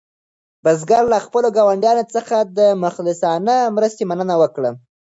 بزګر له خپلو ګاونډیانو څخه د مخلصانه مرستې مننه وکړه.